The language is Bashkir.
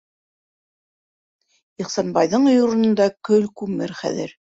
Ихсанбайҙың өй урынында көл- күмер хәҙер.